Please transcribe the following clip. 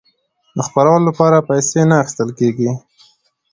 د خپرولو لپاره پیسې نه اخیستل کیږي.